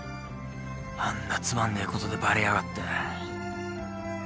あんなつまんねえことでバレやがって。